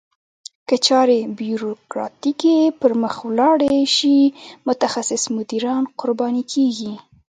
که چارې بیوروکراتیکي پرمخ ولاړې شي متخصص مدیران قرباني کیږي.